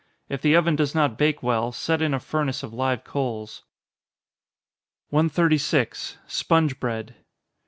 If the oven does not bake well, set in a furnace of live coals. 136. _Sponge Bread.